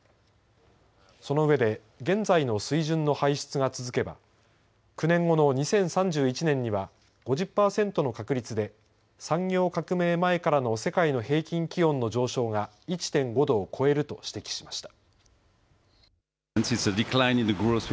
その上で現在の水準の排出が続けば９年後の２０３１年には５０％の確率で産業革命前からの世界の平均気温の上昇が１．５度を超えると指摘しました。